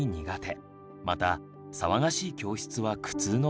また騒がしい教室は苦痛の場でした。